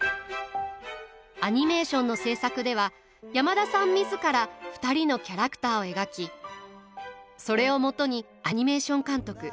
アニメーションの制作では山田さん自ら２人のキャラクターを描きそれをもとにアニメーション監督